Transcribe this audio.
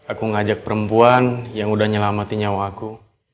aku ngajak perempuan yang udah nyelamati nyawa aku